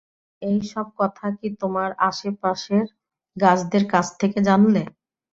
এইসব কথা কি তোমার আশেপাশের গাছদের কাছ থেকে জানলে?